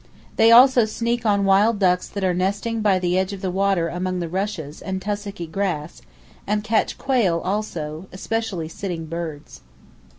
They also sneak on wild ducks that are nesting by the edge of the water among the rushes and tussocky grass, and catch quail also, especially sitting birds.